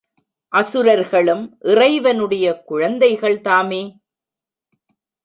அசுரர்களும் இறைவனுடைய குழந்தைகள்தாமே?